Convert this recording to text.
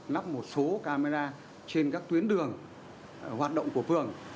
lắp một số camera trên các tuyến đường hoạt động của phường